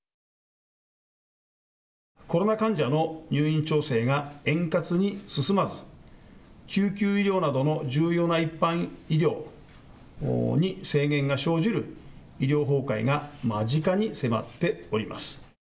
コロナ患者の入院調整が円滑に進まず、救急医療などの重要な一般医療に制限が生じる医療崩壊が間近に迫っております。